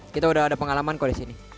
kita udah ada pengalaman kok disini